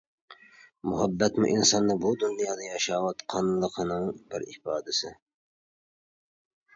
مۇھەببەتمۇ ئىنساننىڭ بۇ دۇنيادا ياشاۋاتقانلىقىنىڭ بىر ئىپادىسى.